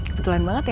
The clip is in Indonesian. kebetulan banget ya